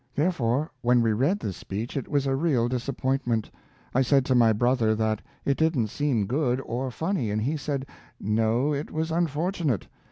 Therefore, when we read this speech it was a real disappointment. I said to my brother that it didn't seem good or funny, and he said, "No, it was unfortunate.